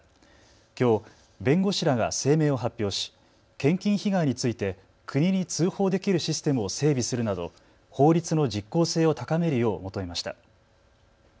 きょう弁護士らが声明を発表し献金被害について国に通報できるシステムを整備するなど法律の実効性を高めるよう求めました。